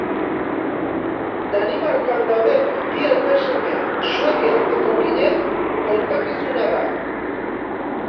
Danimarkan dauden bi aita-seme suediar etorkinen kontakizuna da.